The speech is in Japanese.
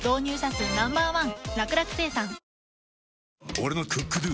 俺の「ＣｏｏｋＤｏ」！